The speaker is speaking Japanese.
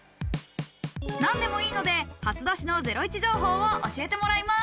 何でもいいので初出しのゼロイチ情報を教えてもらいます。